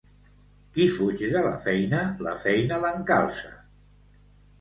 Qui fuig de la feina, la feina l'encalça.